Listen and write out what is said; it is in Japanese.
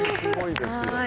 すごいですね。